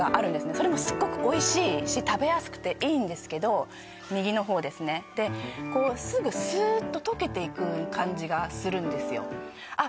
それもすっごくおいしいし食べやすくていいんですけど右の方ですねすぐすーっと溶けていく感じがするんですよあっ